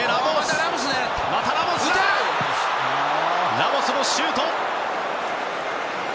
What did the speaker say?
ラモスのシュート！